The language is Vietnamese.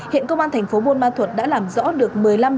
hiện công an thành phố buôn ma thuật đã làm rõ được một mươi năm